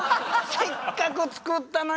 「せっかく作ったのに私が。